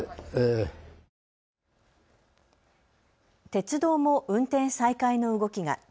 鉄道も運転再開の動きが。